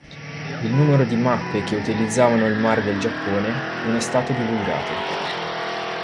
Il numero di mappe che utilizzavano il Mar del Giappone non è stato divulgato.